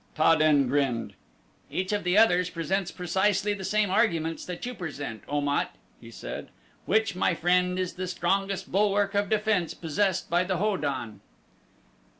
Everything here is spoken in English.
Ta den grinned. "Each of the others presents precisely the same arguments that you present, Om at," he said, "which, my friend, is the strongest bulwark of defense possessed by the Ho don."